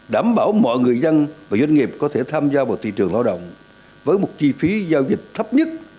đảm bảo mọi người dân và doanh nghiệp có thể tham gia vào thị trường lao động với một chi phí giao dịch thấp nhất